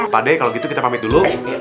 padahal kalau gitu kita pamit dulu